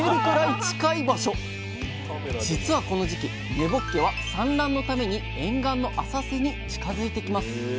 実はこの時期根ぼっけは産卵のために沿岸の浅瀬に近づいてきます。